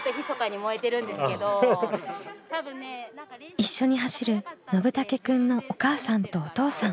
一緒に走るのぶたけくんのお母さんとお父さん。